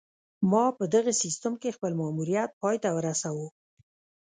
ما په دغه سیستم کې خپل ماموریت پای ته ورسوو